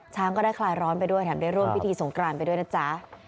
ก็ได้คลายร้อนไปด้วยแถมได้ร่วมพิธีสงกรานไปด้วยนะจ๊ะ